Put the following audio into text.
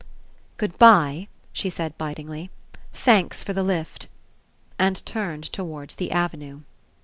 ''Good bye," she said bitlngly. "Thanks for the lift," and turned towards the avenue.